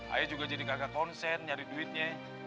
ayah juga jadi kagak konsen nyari duitnya